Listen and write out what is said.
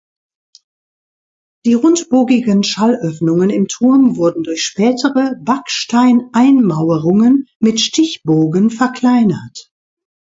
Die rundbogigen Schallöffnungen im Turm wurden durch spätere Backsteineinmauerungen mit Stichbogen verkleinert.